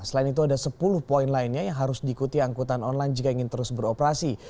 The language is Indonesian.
selain itu ada sepuluh poin lainnya yang harus diikuti angkutan online jika ingin terus beroperasi